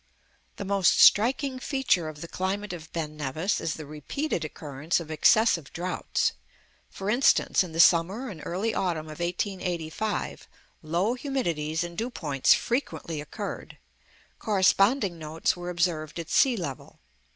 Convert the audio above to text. The most striking feature of the climate of Ben Nevis is the repeated occurrence of excessive droughts. For instance, in the summer and early autumn of 1885, low humidities and dew points frequently occurred. Corresponding notes were observed at sea level.